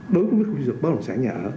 đối với quốc gia bất động sản nhà ở